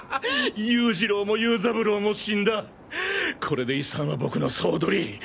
優次郎も游三郎も死んだこれで遺産は僕の総取り！